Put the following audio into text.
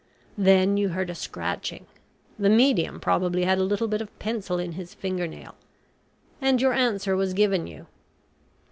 Then you heard a scratching (the medium probably had a little bit of pencil in his finger nail), and your answer was given you.